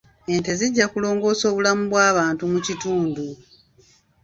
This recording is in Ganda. Ente zijja kulongoosa obulamu bw'abantu mu kitundu.